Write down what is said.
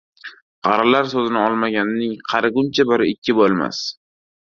• Qarilar so‘zini olmaganning qariguncha biri ikki bo‘lmas.